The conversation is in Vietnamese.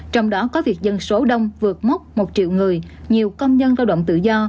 trong đó có việc dân số đông vượt mốc một triệu người nhiều công nhân lao động tự do